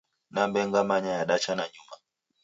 "Nambe ngamanya" yadacha nanyuma.